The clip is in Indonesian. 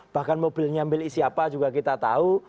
bahkan mobilnya ambil isi apa juga kita tahu